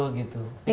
nikmatin aja prosesnya